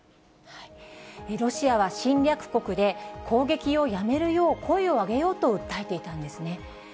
ロシアは侵略国で、攻撃をやめるよう声を上げようと訴えていたんですね。